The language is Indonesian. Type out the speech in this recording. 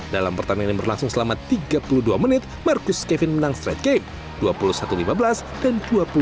dalam pertandingan yang berlangsung selama tiga puluh dua menit marcus kevin menang straight game dua puluh satu lima belas dan dua puluh satu delapan belas